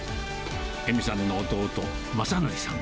恵美さんの弟、雅紀さん。